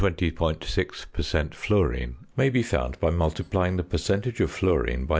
6 per cent. fluorine may be found by multiplying the percentage of fluorine by 0.